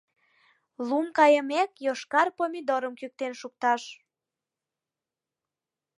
Лум кайымек, йошкар помидорым кӱктен шукташ.